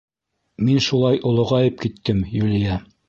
— Мин шулай олоғайып киттем, Юлия.